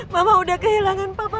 mama udah kehilangan papa